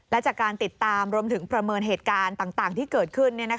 และจากการติดตามรวมถึงประเมินเหตุการณ์ต่างที่เกิดขึ้น